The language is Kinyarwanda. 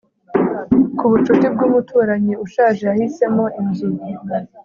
Kubucuti bwumuturanyi ushaje yahisemo inzu